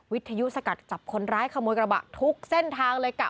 วิทยุสกัดจับคนร้ายขโมยกระบะทุกเส้นทางเลยกะ